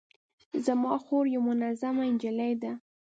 زما خور یوه منظمه نجلۍ ده